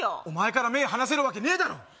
お前から目離せるわけねえだろ